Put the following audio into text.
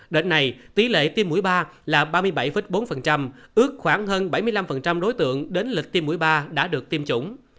đến nay tỷ lệ tiêm mũi ba là ba mươi bảy bốn ước khoảng hơn bảy mươi năm đối tượng đến lịch tiêm mũi ba đã được tiêm chủng